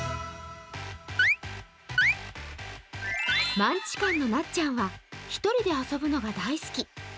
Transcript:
マンチカンのなっちゃんは１人で遊ぶ野が大好き。